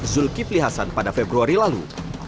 zulkifli hasan pada februari lalu